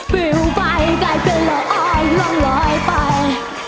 เปรียวไปได้เป็นละออกลองลอยไป